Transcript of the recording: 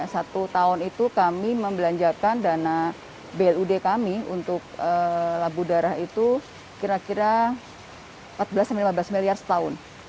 satu tahun itu kami membelanjakan dana blud kami untuk labu darah itu kira kira empat belas lima belas miliar setahun